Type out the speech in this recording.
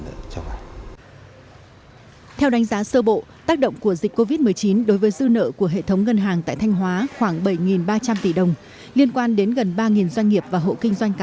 do ảnh hưởng của covid một mươi chín nhiều doanh nghiệp tại thanh hóa đã được hưởng chính sách hỗ trợ tín dụng